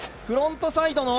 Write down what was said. フロントサイド９００。